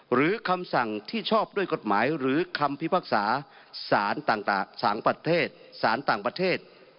หรือคำสั่งที่ชอบด้วยกฎหมายหรือคำพิพากษาสารต่างประเทศ